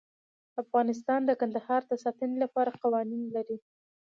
افغانستان د کندهار د ساتنې لپاره قوانین لري.